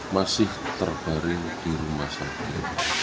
masih terbaring di rumah sakit